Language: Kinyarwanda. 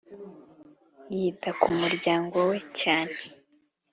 yita ku muryango we cyane